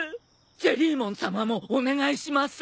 ジェリーモンさまもお願いします！